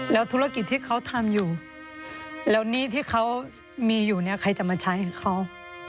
แล้วธุรกิจที่เขาทำอยู่แล้วหนี้ที่เขามีอยู่เนี่ยใครจะมาใช้ให้เขา